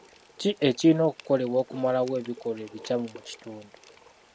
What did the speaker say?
Ki ekirina okukolebwa okumalawo ebikolwa ebikyamu mu kitundu?